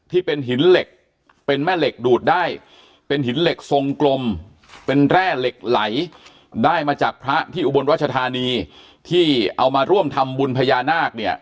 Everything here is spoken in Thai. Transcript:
ที่เป็นหินเหล็กเป็นแม่เหล็กดูดได้เป็นหินเหล็กทรงกลมเป็นแร่เหล็กไหลได้มาจากพระที่อุบลรัชธานีที่เอามาร่วมทำบุญพญานาคเนี่ย